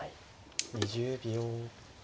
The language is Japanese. ２０秒。